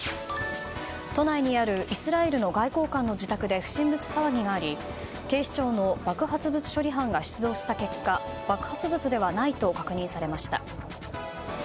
都内にあるイスラエルの外交官の自宅で不審物騒ぎがあり警視庁の爆発物処理班が出動した結果、爆発物ではないと確認されました。